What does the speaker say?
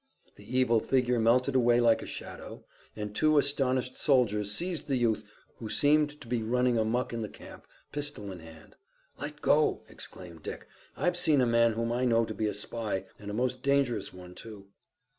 The evil figure melted away like a shadow, and two astonished soldiers seized the youth, who seemed to be running amuck in the camp, pistol in hand. "Let go!" exclaimed Dick. "I've seen a man whom I know to be a spy, and a most dangerous one, too."